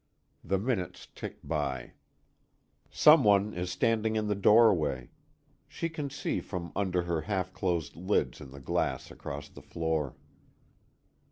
The minutes tick by. Some one is standing in the doorway she can see from under her half closed lids in the glass across the room.